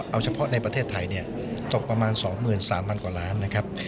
เอาเฉพาะในประเทศไทยตกประมาณ๒๓๐๐กว่าล้านนะครับ